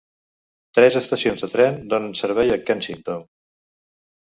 Tres estacions de tren donen servei a Kensington.